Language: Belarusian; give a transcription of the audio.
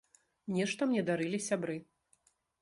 Нешта мне дарылі сябры.